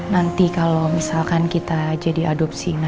nanti kalau misalkan kita jadi adopsi